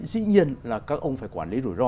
dĩ nhiên là các ông phải quản lý rủi ro